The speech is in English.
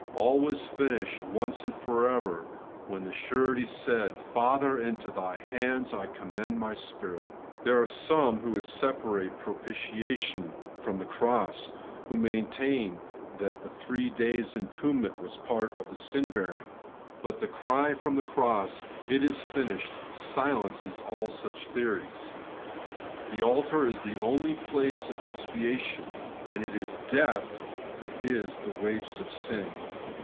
AU was finished, once and for ever, when the surety said, ' Father, into Thy hands I commend my spirit/ There are some who would separate propitiation from the cross, who maintain that the three days' entombment was part of the sin bearing. But the cry from the cross, ' It is finished,' silences all such theories. The altar is the only place of expiation \ and it is death that is the wages of sin.